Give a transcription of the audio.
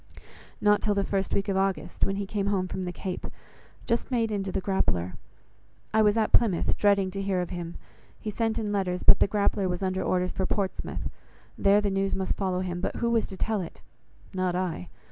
"Not till the first week of August, when he came home from the Cape, just made into the Grappler. I was at Plymouth dreading to hear of him; he sent in letters, but the Grappler was under orders for Portsmouth. There the news must follow him, but who was to tell it? not I.